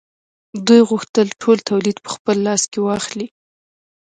دوی غوښتل ټول تولید په خپل لاس کې واخلي